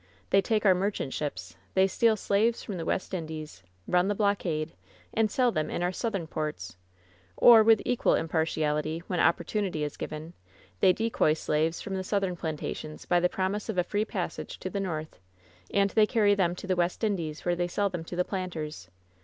They take our merchant ships, they steal slaves from the West Indies, run the blockade and sell them in our Southern ports; or, with equal impartiality, when opportunity is given, they decoy slaves from the Southern plantations by the promise of a free passage to the North, and they carry them to the West Indies, where they sell them to the planters.